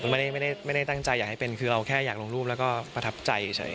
ไม่ได้ตั้งใจอยากให้เป็นคือเราแค่อยากลงรูปแล้วก็ประทับใจเฉย